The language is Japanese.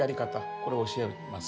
これを教えます。